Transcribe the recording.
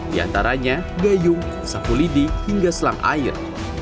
di antaranya gayung sapu lidi hingga selang air